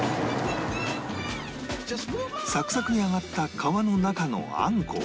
サクサクに揚がった皮の中のあんこは